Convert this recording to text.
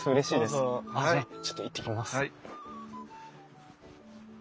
あっじゃあちょっと行ってきます。